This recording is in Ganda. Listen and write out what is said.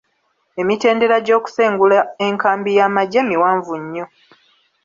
Emitendera gy'okusengula enkambi y'amagye miwanvu nnyo.